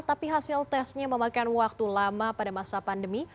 tapi hasil tesnya memakan waktu lama pada masa pandemi